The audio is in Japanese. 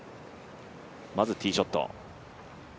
まずティーショット。